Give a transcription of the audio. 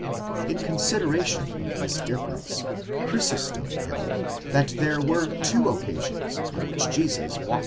In consideration of this difference, Chrysostom held that there were two occasions on which Jesus walked on the sea.